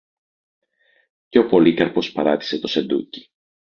και ο Πολύκαρπος παράτησε το σεντούκι.